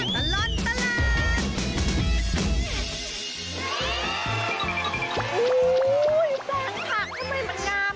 ชั่วตะหล่นตะหลาน